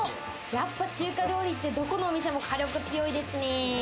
やっぱ中華料理ってどこのお店も火力強いですね。